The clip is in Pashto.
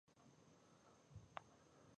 خوراک په ښي لاس کيږي